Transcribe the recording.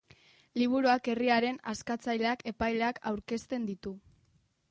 Liburuak herriaren askatzaileak, epaileak, aurkezten ditu.